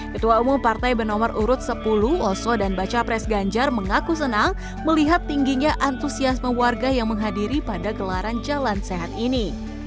ketua umum partai bernomor urut sepuluh oso dan baca pres ganjar mengaku senang melihat tingginya antusiasme warga yang menghadiri pada gelaran jalan sehat ini